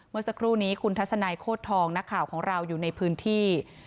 เมื่อสักครู่นี้คุณทัศนัยโคตรทองนักข่าวของเราอยู่ในพื้นที่